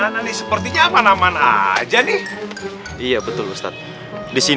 terus untuk meyakinkan